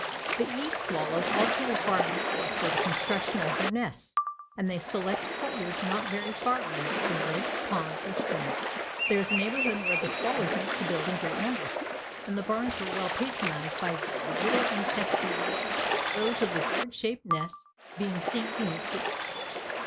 The eave swallows also require mortar for the construction of their nests, and they select quarters not very far removed from lakes, ponds, or streams. There is a neighborhood where the swallows used to build in great numbers, and the barns were well patronized by these little insect feeders, rows of the gourd shaped nests being seen beneath the eaves.